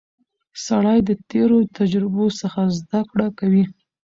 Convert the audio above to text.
سړی د تېرو تجربو څخه زده کړه کوي